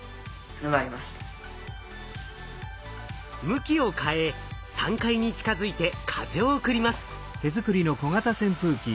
向きを変え３階に近づいて風を送ります。